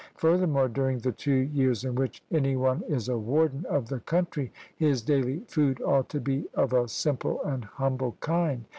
Furthermore, during the two years in which any one is a warden of the country, his daily food ought to be of a simple and humble kind.